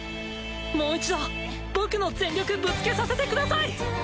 もう一度僕の全力ぶつけさせてください！